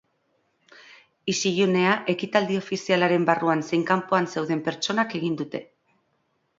Isilunea ekitaldi ofizialaren barruan zein kanpoan zeuden pertsonak egin dute.